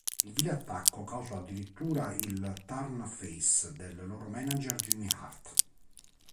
Il "vile" attacco causò addirittura il turn face del loro manager Jimmy Hart.